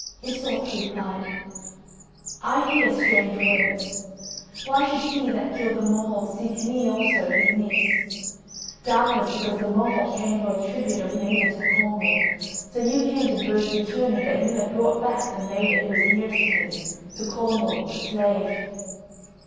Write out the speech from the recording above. Iseult replied: "I hear strange words. Why should he that killed the Morholt seek me also, his niece? Doubtless because the Morholt came for a tribute of maidens from Cornwall, so you came to boast returning that you had brought back the maiden who was nearest to him, to Cornwall, a slave."